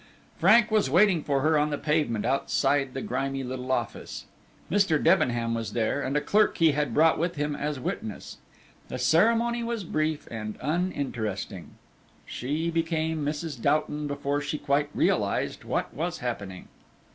Frank was waiting for her on the pavement outside the grimy little office. Mr. Debenham was there, and a clerk he had brought with him as witness. The ceremony was brief and uninteresting; she became Mrs. Doughton before she quite realized what was happening.